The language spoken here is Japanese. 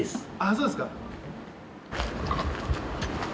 そうですか。